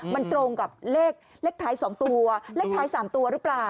มันตรงกับเลขท้าย๒ตัวเลขท้าย๓ตัวหรือเปล่า